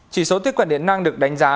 chỉ số tiếp cận điện năng được đánh giá